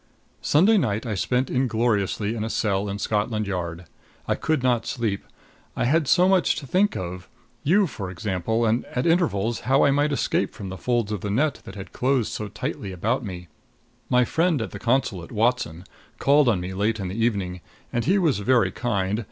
Sunday night I spent ingloriously in a cell in Scotland Yard. I could not sleep. I had so much to think of you, for example, and at intervals how I might escape from the folds of the net that had closed so tightly about me. My friend at the consulate, Watson, called on me late in the evening; and he was very kind.